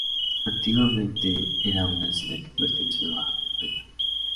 Antiguamente era una hacienda que perteneció a Vda.